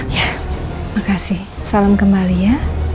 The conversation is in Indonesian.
ya makasih salam kembali ya